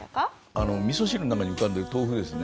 あの味噌汁の中に浮かんでる豆腐ですね。